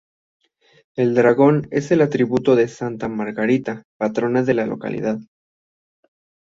El dragón es el atributo de Santa Margarita, patrona de la localidad.